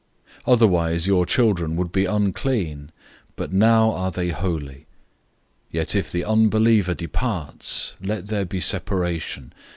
Otherwise your children would be unclean, but now they are holy. 007:015 Yet if the unbeliever departs, let there be separation.